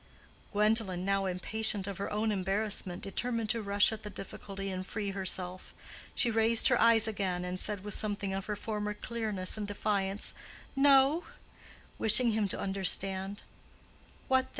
Gwendolen, now impatient of her own embarrassment, determined to rush at the difficulty and free herself. She raised her eyes again and said with something of her former clearness and defiance, "No"—wishing him to understand, "What then?